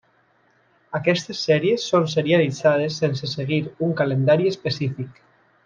Aquestes sèries són serialitzades sense seguir un calendari específic.